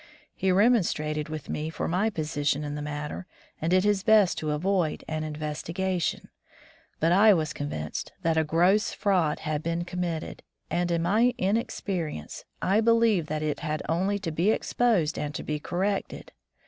He remonstrated with me for my position in the matter, and did his best to avoid an investigation; but I was convinced that a gross fraud had been com mitted, and in my inexperience I believed that it had only to be exposed to be corrected.